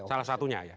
salah satunya ya